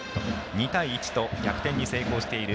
２対１と逆転に成功している